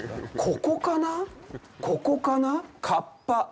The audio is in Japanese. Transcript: ここかな？